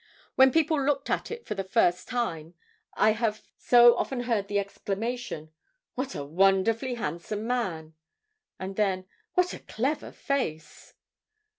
When people looked at it for the first time, I have so often heard the exclamation 'What a wonderfully handsome man!' and then, 'What a clever face!'